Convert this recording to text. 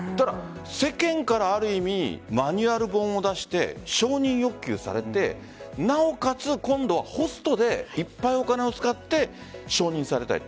世間から、ある意味マニュアル本を出して承認欲求されてなおかつ、今度はホストでいっぱいお金を使って承認されたい。